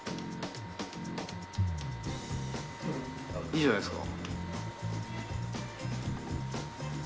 いいじゃないですか。